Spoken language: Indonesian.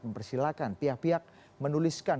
mempersilahkan pihak pihak menuliskan